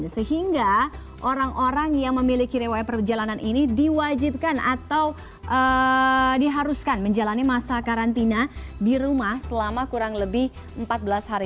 sehingga orang orang yang memiliki rewayat perjalanan ini diwajibkan atau diharuskan menjalani masa karantina di rumah selama kurang lebih empat belas hari